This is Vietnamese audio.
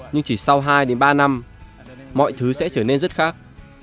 nhưng chỉ sau hai đến ba năm mọi thứ sẽ trở nên rất khác